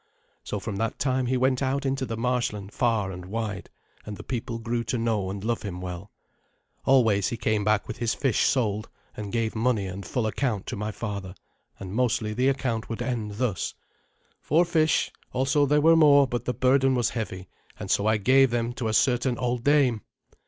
So from that time he went out into the marshland far and wide, and the people grew to know and love him well. Always he came back with his fish sold, and gave money and full account to my father, and mostly the account would end thus: "Four fish also there were more, but the burden was heavy, and so I even gave them to a certain old dame."